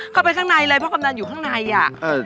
เข้าไปข้างในเลยเพราะกำนันอยู่ข้างในอ่ะ